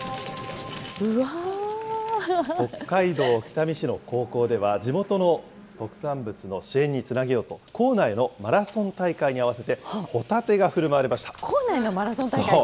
北海道北見市の高校では、地元の特産物の支援につなげようと、校内のマラソン大会に合わせ校内のマラソン大会で？